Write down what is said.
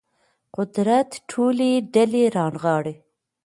قدرت ټولې ډلې رانغاړي